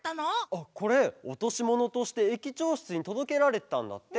あっこれおとしものとして駅長しつにとどけられてたんだって。